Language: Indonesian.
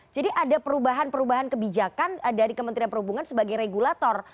jadi ada perubahan perubahan kebijakan dari kementerian perhubungan sebagai regulator